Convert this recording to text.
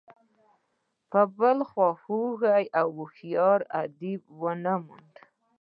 بل خواخوږی او هوښیار ادیب ونه موند.